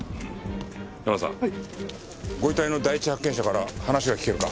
ヤマさんご遺体の第一発見者から話が聞けるか？